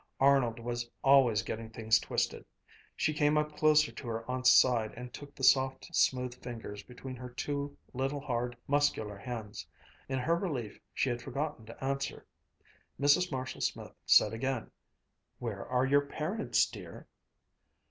Arnold was always getting things twisted. She came up closer to her aunt's side and took the soft, smooth fingers between her two little hard, muscular hands. In her relief, she had forgotten to answer. Mrs. Marshall Smith said again, "Where are your parents, dear?"